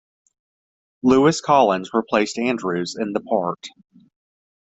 Lewis Collins replaced Andrews in the part.